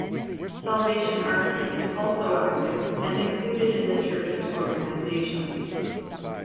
Salvation army is also active and included in the churches organization.